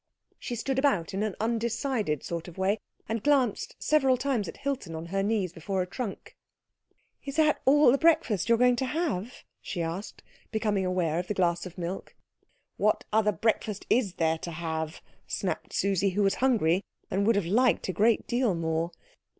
She stood about in an undecided sort of way, and glanced several times at Hilton on her knees before a trunk. "Is that all the breakfast you are going to have?" she asked, becoming aware of the glass of milk. "What other breakfast is there to have?" snapped Susie, who was hungry, and would have liked a great deal more.